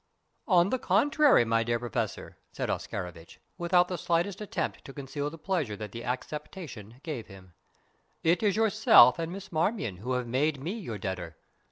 "On the contrary, my dear Professor," said Oscarovitch, without the slightest attempt to conceal the pleasure that the acceptation gave him, "it is yourself and Miss Marmion who have made me your debtor.